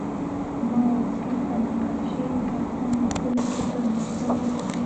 ما غوښتل په نقاشۍ او داستان لیکلو کې پرمختګ وکړم